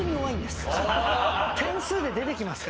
点数で出てきますから。